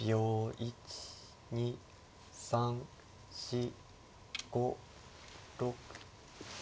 １２３４５６。